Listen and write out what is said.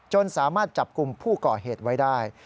สามารถจับกลุ่มผู้ก่อเหตุไว้ได้